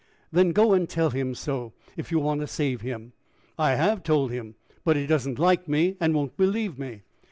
"Then go and tell him so, if you want to save him." "I have told him. But he does not like me, and won't believe me."